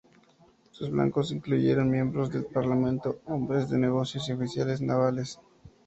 Sus blancos incluyeron miembros del parlamento, hombres de negocios y oficiales navales.